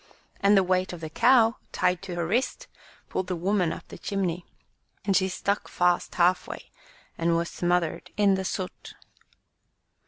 And the weight of the cow tied to her wrist pulled the woman up the chimney, and she stuck fast half way and was smothered in the soot.